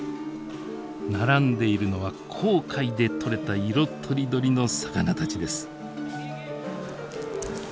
並んでいるのは紅海で取れた色とりどりの魚たちです。